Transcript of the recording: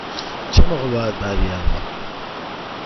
چه موقع باید برگردم؟